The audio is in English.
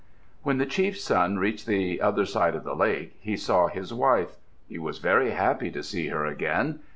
When the chief's son reached the other side of the lake, he saw his wife. He was very happy to see her again.